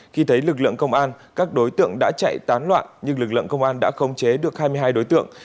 khi thấy lực lượng công an các đối tượng đã chạy tán loạn nhưng lực lượng công an đã khống chế được hai mươi hai đối tượng